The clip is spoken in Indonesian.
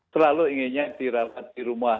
selalu inginnya dirawat di rumah